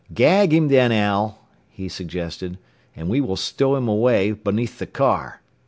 "Gag him, then, Al," he suggested, "and we will stow him away beneath the car."